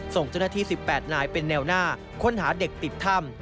ส่งเจ้าหน้าที่๑๘นายเป็นแนวหน้าค้นหาเด็กติดถ้ำ